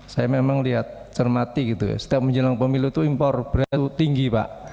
saya memang lihat cermati gitu ya setiap menjelang pemilu itu impor beras itu tinggi pak